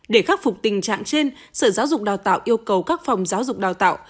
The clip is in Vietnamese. để khắc phục tình trạng trên sở giáo dục đào tạo yêu cầu các phòng giáo dục đào tạo